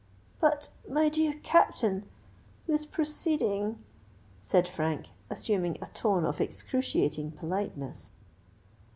"But, my dear Captain——this proceeding——" said Frank, assuming a tone of excruciating politeness.